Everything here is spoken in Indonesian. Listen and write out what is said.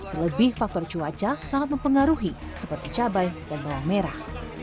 terlebih faktor cuaca sangat mempengaruhi seperti cabai dan bawang merah